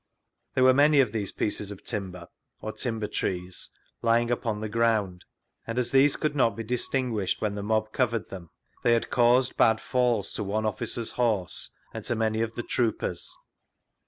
There were many of these pieces of timber (or timber trees) lying upon the ground, and as these could not be distinguished wben the mob covered them, they bad caused bad falls to one officer's horse and to many of the troopers'.